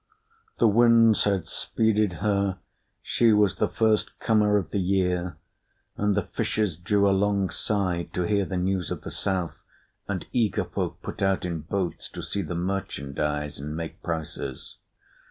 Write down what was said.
The winds had speeded her; she was the first comer of the year; and the fishers drew alongside to hear the news of the south, and eager folk put out in boats to see the merchandise and make prices.